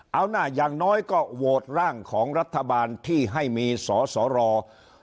เอาหน้าอย่างน้อยก็โหวตร่างของรัฐบาลที่ให้มีสอสอรอ